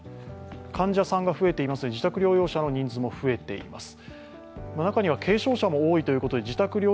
患者さんが増えていますので自宅療養者の人数も増えています。